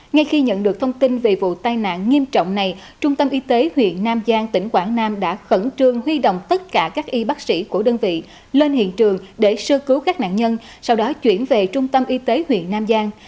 ngay khi nhận được thông tin về vụ tai nạn nghiêm trọng này trung tâm y tế huyện nam giang tỉnh quảng nam đã khẩn trương huy động tất cả các y bác sĩ của đơn vị lên hiện trường để sơ cứu các nạn nhân sau đó chuyển về trung tâm y tế huyện nam giang